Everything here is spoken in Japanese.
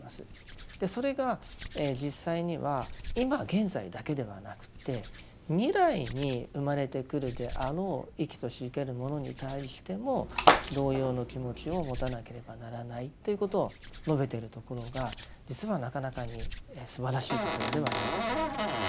それが実際には今現在だけではなくて未来に生まれてくるであろう生きとし生けるものに対しても同様の気持ちを持たなければならないということを述べてるところが実はなかなかにすばらしいところではないかと思います。